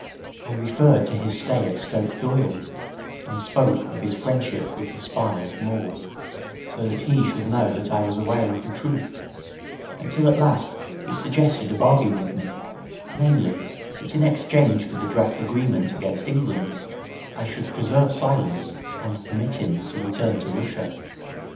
I referred to his stay at Stoke Doyle, and spoke of his friendship with the spy Moore, so that he should know that I was aware of the truth, until at last he suggested a bargain with me, namely, that in exchange for the draft agreement against England I should preserve silence and permit him to return to Russia.